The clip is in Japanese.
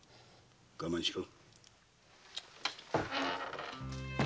我慢しろ。